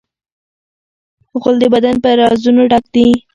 غول د بدن په رازونو ډک دی.